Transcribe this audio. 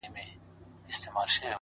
o چي پکي روح نُور سي؛ چي پکي وژاړي ډېر؛